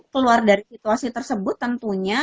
keluar dari situasi tersebut tentunya